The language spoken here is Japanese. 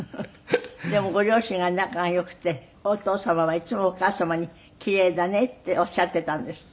でもご両親が仲が良くてお父様はいっつもお母様に「奇麗だね」っておっしゃっていたんですって？